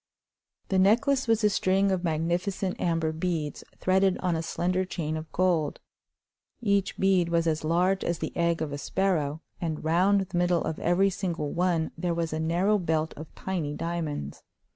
The necklace was a string of magnificent amber beads threaded on a slender chain of gold. Each bead was as large as the egg of a sparrow, and round the middle of every single one there was a narrow belt of tiny diamonds.